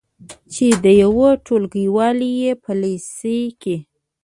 چې د یوې ټولګیوالې یې په لیسه کې